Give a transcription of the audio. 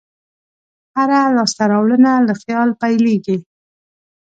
هره لاسته راوړنه له خیال پیلېږي.